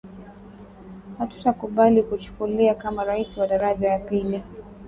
Hatutakubali kuchukulia kama rais wa daraja ya pili